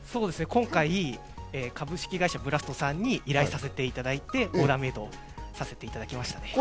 今回、株式会社ブラストさんに依頼させていただいて、オーダーメードさせていただきました。